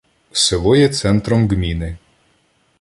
Село є центром ґміни.